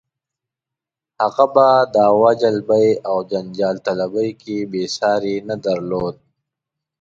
هغه په دعوه جلبۍ او جنجال طلبۍ کې یې ساری نه درلود.